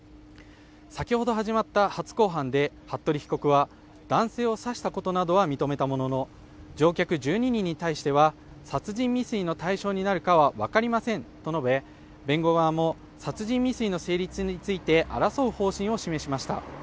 先ほど始まった初公判で服部被告は男性を刺したことなどは認めたものの乗客１２人に対しては、殺人未遂の対象になるかはわかりませんと述べ弁護側も、殺人未遂の成立について争う方針を示しました。